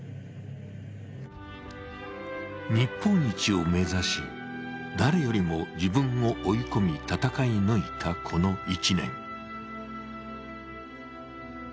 日本一を目指し誰よりも自分を追い込み戦い抜いたこの１年。